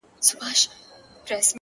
زه چي هر قدم ایږدمه هر ګړی دي یادومه؛